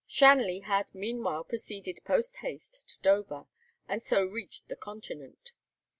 Shanley had meanwhile proceeded post haste to Dover, and so reached the continent.